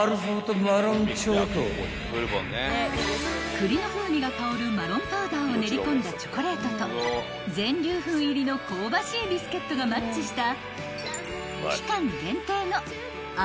［栗の風味が香るマロンパウダーを練り込んだチョコレートと全粒粉入りの香ばしいビスケットがマッチした］